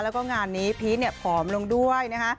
แล้วก็งานนี้พีชเนี่ยผอมลงด้วยนะคะ